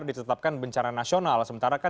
ditetapkan bencana nasional sementara kan